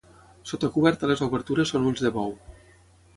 Sota coberta les obertures són ulls de bou.